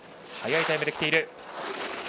早いタイムできている。